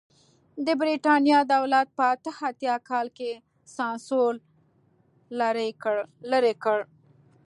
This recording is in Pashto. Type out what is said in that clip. د برېټانیا دولت په اته اتیا کال کې سانسور لرې کړ.